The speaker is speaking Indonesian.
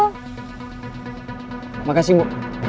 terima kasih ibu